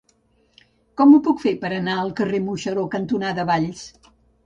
Com ho puc fer per anar al carrer Moixeró cantonada Valls?